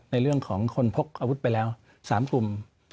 ในเรื่องของคนพกอาวุธไปแล้ว๓กลุ่ม